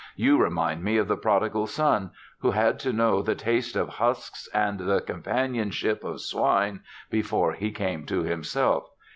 You remind me of the Prodigal Son who had to know the taste of husks and the companionship of swine before he came to himself.